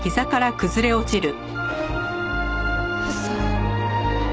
嘘。